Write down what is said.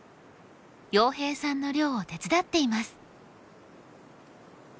洋平さんの漁を手伝っています。